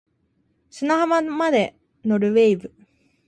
砂浜まで乗る wave